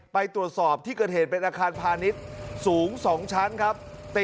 ไปตรวจสอบที่เกิดเหตุเป็นอาคารพาณิชย์สูง๒ชั้นครับ